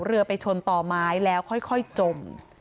เรือไปชนต่อไม้แล้วค่อยจม